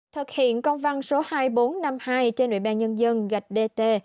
thực hiện công văn số hai nghìn bốn trăm năm mươi hai trên ủy ban nhân dân gạch dt